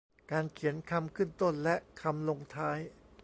การเขียนคำขึ้นต้นและคำลงท้าย